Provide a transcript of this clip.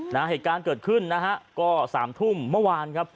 เหตุการณ์เกิดขึ้นนะฮะก็สามทุ่มเมื่อวานครับ